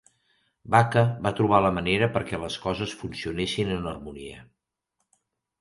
Baca va trobar la manera perquè les coses funcionessin en harmonia.